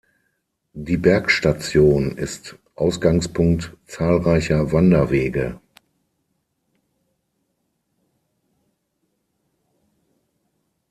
Die Bergstation ist Ausgangspunkt zahlreicher Wanderwege.